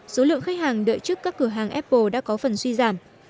số lượng khách hàng đợi trước các cửa hàng apple đã có phần suy giảm